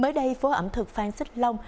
mới đây phố ẩm thực phan xích long